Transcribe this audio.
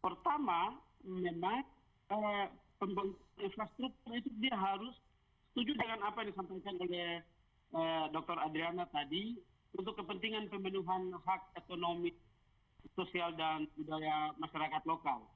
pertama memang infrastruktur itu dia harus setuju dengan apa yang disampaikan oleh dr adriana tadi untuk kepentingan pemenuhan hak ekonomi sosial dan budaya masyarakat lokal